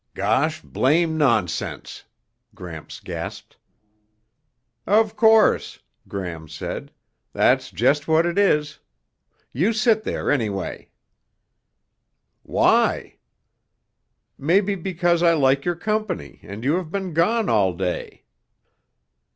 "Gosh blame nonsense," Gramps gasped. "Of course," Gram said. "That's just what it is. You sit there anyway." "Why?" "Maybe because I like your company and you have been gone all day."